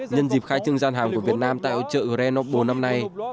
nhân dịp khai trưng gian hàng của việt nam tại hội trợ grenoble năm nay